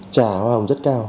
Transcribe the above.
trả hoa hồng rất cao